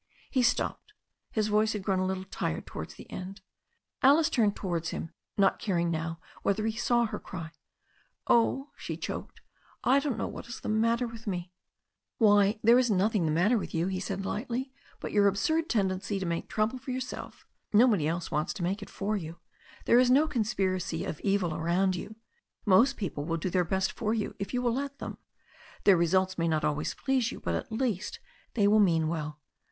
He stopped. His voice had grown a little tired towards the end. Alice turned towards him, not caring now whether he saW her cry, "Oh," she choked, "I don't know what is the matter with me." "Why, there is nothing the matter with you," he said lightly, "but your absurd tendency to make trouble for your JHE STORY OF A NEW ZEALAND RIVER 159 self. Nobody else wants to make it for you. There is no conspiracy of evil around you. Most people will do their best for you if you will let them. Their results may not always please you, but, at least, they will mean well.